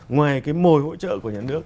ngoài cái mồi hỗ trợ của nhà nước